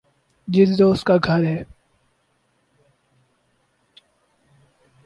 جس دوست کا گھر ہے